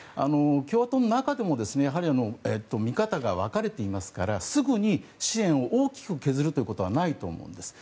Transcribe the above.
共和党の中でもやはり見方が分かれていますからすぐに支援を大きく削ることはないと思うんです。